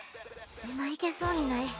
今行けそうにない。